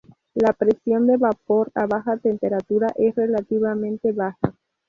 La presión de vapor a baja temperatura es relativamente baja.